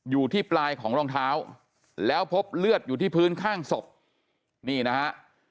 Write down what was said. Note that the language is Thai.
อยู่ที่ปลายของรองเท้าแล้วพบเลือดอยู่ที่พื้นข้างศพนี่นะฮะ